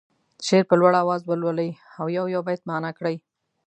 شعر په لوړ اواز ولولي او یو یو بیت معنا کړي.